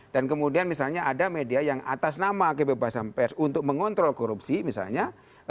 dan kemudian misalnya ada media yang atas nama kppb sampai untuk mengontrol korupsi misalnya